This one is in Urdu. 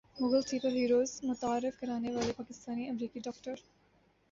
مغل سپر ہیروز متعارف کرانے والے پاکستانی امریکی ڈاکٹر